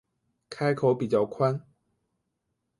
开口比较宽